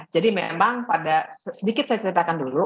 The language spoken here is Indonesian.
jadi memang pada sedikit saya ceritakan dulu